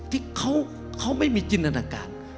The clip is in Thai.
ที่เขาไม่มีจินตนาการ